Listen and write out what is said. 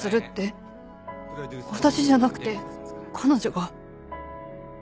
私じゃなくて彼女が。